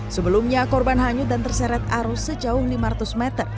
sebelumnya korban hanyut dan terseret arus sejauh lima ratus meter